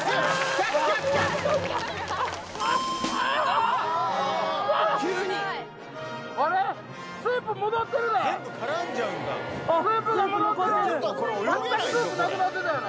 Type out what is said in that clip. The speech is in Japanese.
全くスープなくなってたよな。